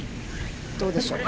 どうでしょう。